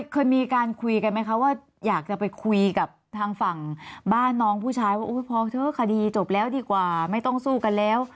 เคยมีการคุยกันไหมคะว่าอยากจะไปคุยกับทางฝั่งบ้านน้องผู้ชายว่าพอเถอะคดีจบแล้วดีกว่าไม่ต้องสู้กันแล้ว